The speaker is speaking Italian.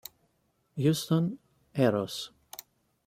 Houston Aeros